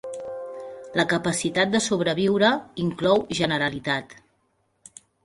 La capacitat de sobreviure inclou generalitat.